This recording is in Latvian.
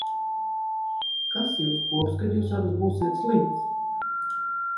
Kas jūs kops, kad jūs abas būsiet slimas.